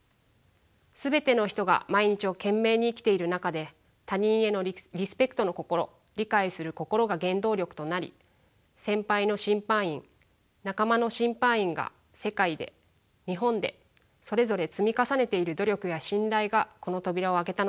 全ての人が毎日を懸命に生きている中で他人へのリスペクトの心理解する心が原動力となり先輩の審判員仲間の審判員が世界で日本でそれぞれ積み重ねている努力や信頼がこの扉を開けたのだと思います。